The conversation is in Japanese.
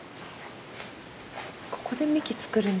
ここでみき作るんだ。